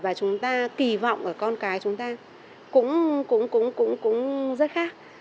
và chúng ta kỳ vọng ở con cái chúng ta cũng rất khác